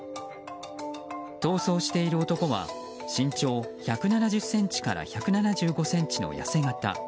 逃走している男は身長１７０ｃｍから１７５ｃｍくらいの痩せ形。